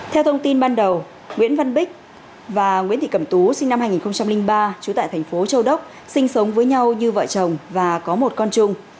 theo thông tin ban đầu nguyễn văn bích và nguyễn thị cẩm tú sinh năm hai nghìn ba trú tại thành phố châu đốc sinh sống với nhau như vợ chồng và có một con chung